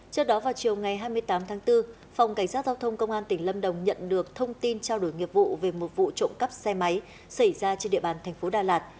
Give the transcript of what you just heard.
trước đó vào chiều ngày hai mươi tám tháng bốn phòng cảnh sát giao thông công an tỉnh lâm đồng nhận được thông tin trao đổi nghiệp vụ về một vụ trộm cắp xe máy xảy ra trên địa bàn thành phố đà lạt